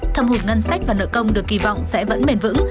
thâm hụt ngân sách và nợ công được kỳ vọng sẽ vẫn bền vững